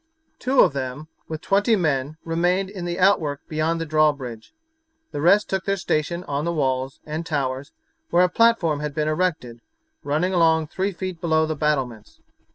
Two of them, with twenty men, remained in the outwork beyond the drawbridge. The rest took their station on the walls, and towers, where a platform had been erected, running along three feet below the battlements.